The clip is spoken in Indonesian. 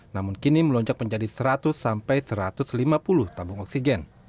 namun kini melonjak menjadi seratus sampai satu ratus lima puluh tabung oksigen